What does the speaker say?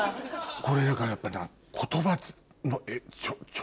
これだからやっぱり。